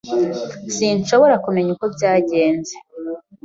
Sinshobora kumenya uko byagenze.